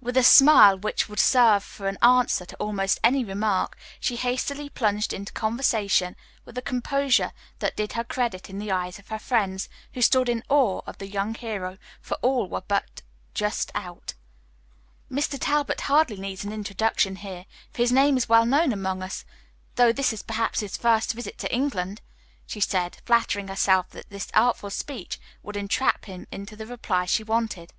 With a smile which would serve for an answer to almost any remark, she hastily plunged into conversation with a composure that did her credit in the eyes of her friends, who stood in awe of the young hero, for all were but just out. "Mr. Talbot hardly needs an introduction here, for his name is well known among us, though this is perhaps his first visit to England?" she said, flattering herself that this artful speech would entrap him into the reply she wanted.